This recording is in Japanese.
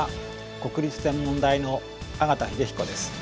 国立天文台の縣秀彦です。